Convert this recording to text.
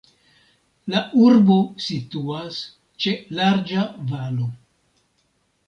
La urbo situas ĉe larĝa valo.